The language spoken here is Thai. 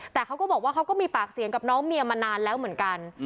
แต่เขาก็บอกว่าเขาก็มีปากเสียงกับน้องเมียมานานแล้วเหมือนกัน